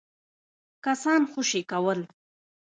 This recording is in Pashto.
کسان خوشي کول.